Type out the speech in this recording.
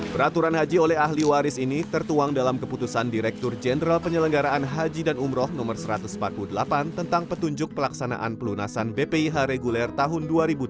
peraturan haji oleh ahli waris ini tertuang dalam keputusan direktur jenderal penyelenggaraan haji dan umroh no satu ratus empat puluh delapan tentang petunjuk pelaksanaan pelunasan bpih reguler tahun dua ribu dua puluh